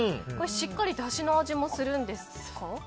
しっかりとだしの味もするんですか？